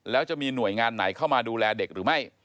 แล้วจะมีหน่วยงานไหนเข้ามาดูแลเด็กหรือไม่